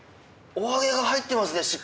お揚げが入ってますね